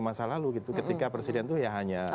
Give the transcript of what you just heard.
masa lalu gitu ketika presiden itu ya hanya